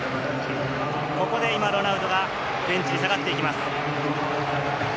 ここで今、ロナウドがベンチに下がっていきます。